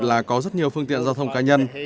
là có rất nhiều phương tiện giao thông cá nhân